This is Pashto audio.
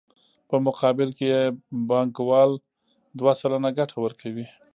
په مقابل کې یې بانکوال دوه سلنه ګټه ورکوي